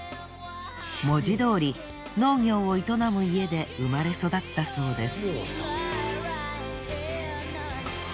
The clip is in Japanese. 文字通り農業を営む家で生まれ育ったそうです。